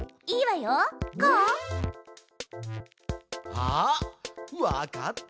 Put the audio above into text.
あわかった。